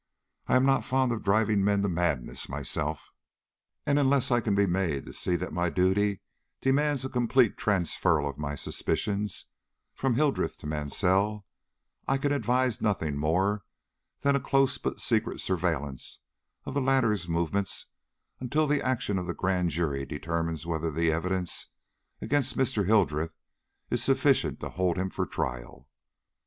I am not fond of driving men to madness myself, and unless I can be made to see that my duty demands a complete transferal of my suspicions from Hildreth to Mansell, I can advise nothing more than a close but secret surveillance of the latter's movements until the action of the Grand Jury determines whether the evidence against Mr. Hildreth is sufficient to hold him for trial."